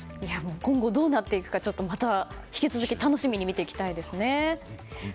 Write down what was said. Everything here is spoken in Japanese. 今後どうなっていくかまた引き続き楽しみに見ていきたいですね。